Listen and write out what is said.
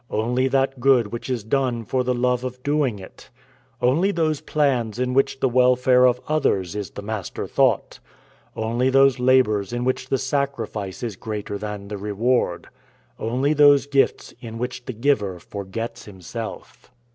"Only that good which is done for the love of doing it. Only those plans in which the welfare of others is the master thought. Only those labors in which the sacrifice is greater than the reward. Only those gifts in which the giver forgets himself."